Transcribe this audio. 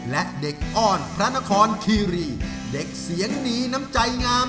และเด็กอ้อนพระนครคีรีเด็กเสียงดีน้ำใจงาม